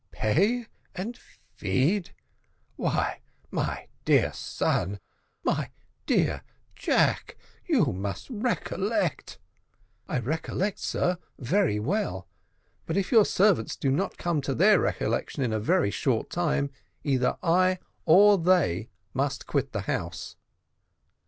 "Pay and feed! Why, my dear son my dear Jack you must recollect " "I recollect, sir, very well; but if your servants do not come to their recollection in a very short time, either I or they must quit the house."